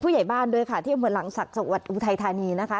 ใหญ่บ้านด้วยค่ะที่อำเภอหลังศักดิ์จังหวัดอุทัยธานีนะคะ